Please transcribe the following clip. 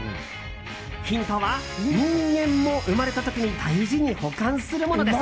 ヒントは、人間も生まれた時に大事に保管するものです。